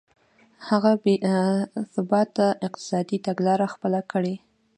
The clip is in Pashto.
هغه بې ثباته اقتصادي تګلاره خپله کړه.